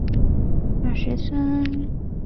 战后教堂得到修复。